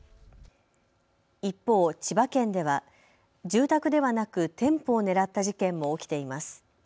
一方、千葉県では住宅ではなく店舗を狙った事件も起きています。